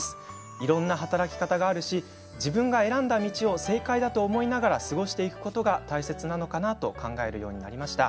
いろいろな働き方があるし自分が選んだ道を正解だと思いながら過ごしていくことが大切なのかなと考えるようになりました。